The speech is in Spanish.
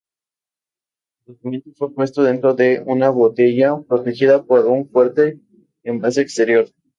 El documento fue puesto dentro de una botella protegida por un fuerte envase exterior.